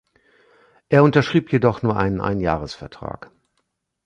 Er unterschrieb jedoch nur einen Einjahresvertrag.